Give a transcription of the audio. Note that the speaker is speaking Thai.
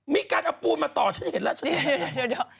มีการอบปูนมาต่อฉันเห็นแล้วฉันเห็นแล้ว